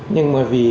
nhưng mà vì